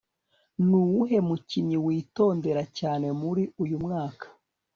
nuwuhe mukinnyi witondera cyane muri uyu mwaka